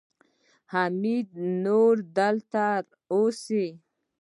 حميد به نور دلته اوسي.